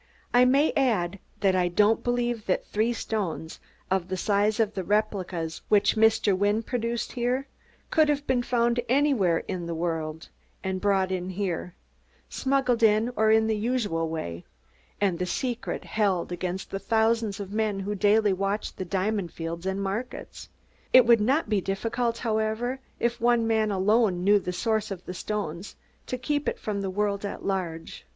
I may add that I don't believe that three stones of the size of the replicas which Mr. Wynne produced here could have been found anywhere in the world and brought in here smuggled in or in the usual way and the secret held against the thousands of men who daily watch the diamond fields and market. It would not be difficult, however, if one man alone knew the source of the stones, to keep it from the world at large.